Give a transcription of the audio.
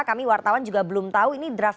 kami wartawan juga belum tahu